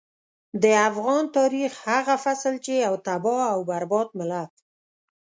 د افغان تاريخ هغه فصل چې يو تباه او برباد ملت.